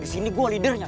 di sini gue lidernya